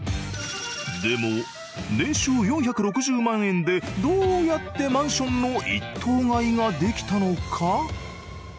でも年収４６０万円でどうやってマンションの１棟買いができたのか？